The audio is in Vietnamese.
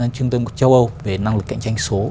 trung tâm của châu âu về năng lực cạnh tranh số